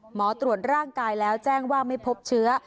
หมอตรวจร่างกายแล้วแจ้งว่าไม่พบเชื้อ